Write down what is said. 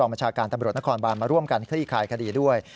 บัญชาการตำรวจนครบานมาร่วมกันคลี่คลายคดีด้วย